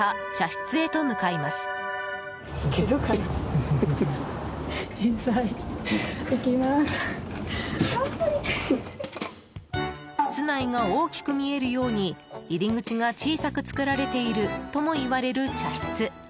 室内が大きく見えるように入り口が小さく作られているともいわれる茶室。